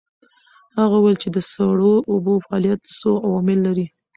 هغه وویل چې د سړو اوبو فعالیت څو عوامل لري.